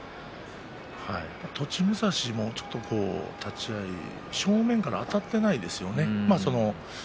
栃武蔵、立ち合い正面からあたっていませんね。